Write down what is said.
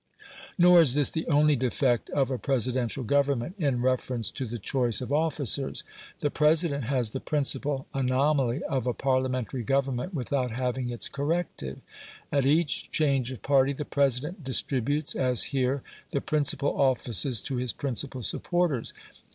Nor is this the only defect of a Presidential government in reference to the choice of officers. The President has the principal anomaly of a Parliamentary government without having its corrective. At each change of party the President distributes (as here) the principal offices to his principal supporters.